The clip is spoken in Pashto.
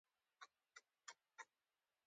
ستونزه په خبرو حل کړه